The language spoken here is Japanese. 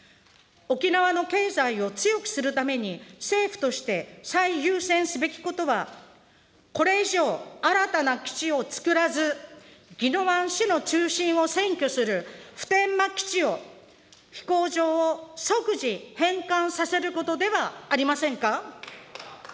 沖縄の経済を強くするために、政府として最優先すべきことは、これ以上、新たな基地をつくらず、宜野湾市の中心を占拠する普天間基地を飛行場を即時、返還させることではありませんか。